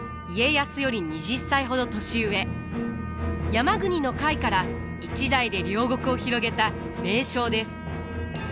山国の甲斐から一代で領国を広げた名将です。